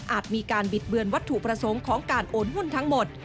มีการบิดเบือนวัตถุประสงค์ของการโอนหุ้นทั้งหมด